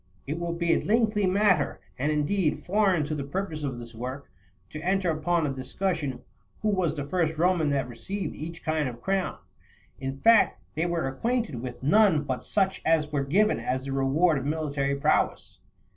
It would be a lengthy matter, and, indeed, foreign to the purpose of this work, to enter upon a discussion who was the first Roman that received each kind of crown ; in fact, they were acquainted with none but such as were given as the reward of military prowess.